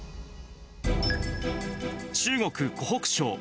中国・湖北省。